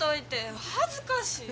恥ずかしい。